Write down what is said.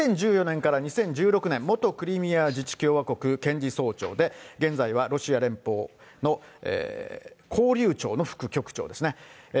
２０１４年から２０１６年、元クリミア自治共和国検事総長で、現在はロシア連邦の交流庁の副局長ですね。